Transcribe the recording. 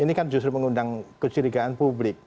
ini kan justru mengundang kecurigaan publik